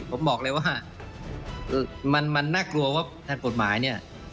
ผมบอกเลยว่ามันน่ากลัวว่าทางกฎหมายเนี่ย